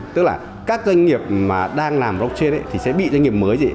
tức là các doanh nghiệp mà đang làm blockchain thì sẽ bị doanh nghiệp mới gì